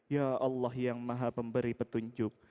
ya allah yang maha pemberi petunjuk